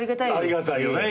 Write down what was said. ありがたいよね